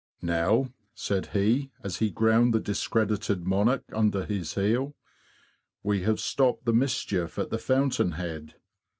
"Now," said he, as he ground the discredited monarch under his heel, '' we have stopped the mis chief at the fountain head.